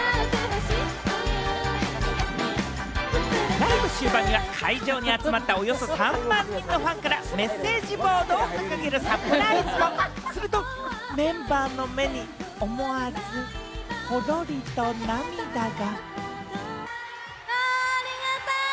ライブ終盤には会場に集まったおよそ３万人のファンからメッセージボードを掲げるサプライズをするとメンバーの目に思わずポロリと涙が。